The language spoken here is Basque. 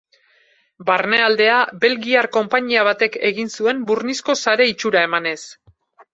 Barnealdea belgiar konpainia batek egin zuen burnizko sare itxura emanez.